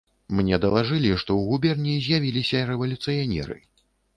Мне далажылі, што ў губерні з'явіліся рэвалюцыянеры.